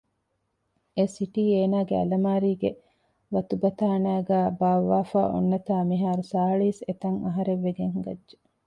އެ ސިޓީ އޭނާގެ އަލަމާރީގެ ވަތުބަތާނައިގައި ބާއްވާފައި އޮންނަތާ މިހާރު ސާޅިސް އެތައް އަހަރެއް ވެގެން ހިނގައްޖެ